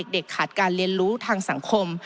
ขาดการเรียนรู้ทางสังคม